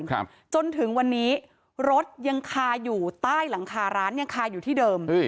ครับจนถึงวันนี้รถยังคาอยู่ใต้หลังคาร้านยังคาอยู่ที่เดิมเอ้ย